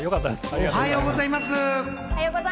おはようございます！